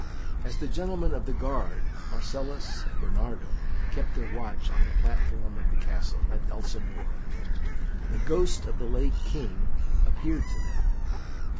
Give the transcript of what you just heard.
As the Gentlemen of the Guard, Marcellus and Bernardo, kept their watch on the platform of the castle at Elsinore the Ghost of the late King appeared to them.